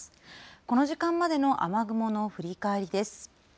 この時間までの雨雲の振り返りです。